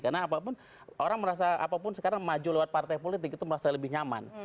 karena apapun orang merasa apapun sekarang maju lewat partai politik itu merasa lebih nyaman